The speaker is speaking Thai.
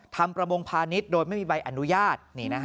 ประมงพาณิชย์โดยไม่มีใบอนุญาต